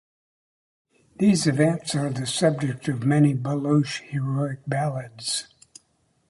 These events are the subject of many baloch heroic ballads.